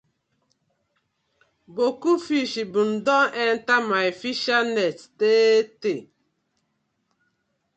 Boku fish been don enter my fishernet tey tey.